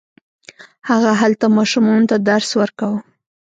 هغه هلته ماشومانو ته درس ورکاوه.